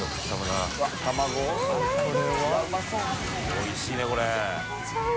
おいしいねこれ。